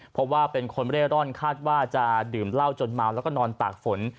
เพราะว่าเป็นคนเร่ร่อนคาดว่าจะดื่มเหล้าจนเมาแล้วก็นอนตากฝน